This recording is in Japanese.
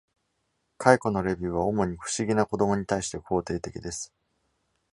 回顧のレビューは主に「不思議な子ども」に対して肯定的です。